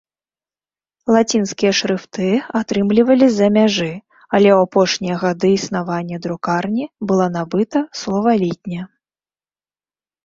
Лацінскія шрыфты атрымлівалі з-за мяжы, але ў апошнія гады існавання друкарні была набыта словалітня.